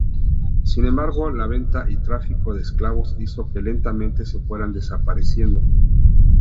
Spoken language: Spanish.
Sin embargo, la venta y tráfico de esclavos hizo que lentamente se fueran desapareciendo.